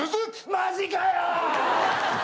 マジかよ！